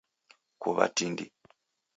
Kuwa tindi